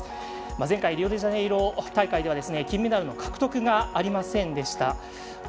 前回リオデジャネイロ大会では金メダルの獲得がありませんでした。